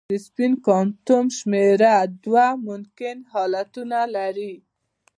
د سپین کوانټم شمېره دوه ممکنه حالتونه لري.